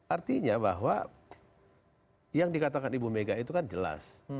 artinya bahwa yang dikatakan ibu mega itu kan jelas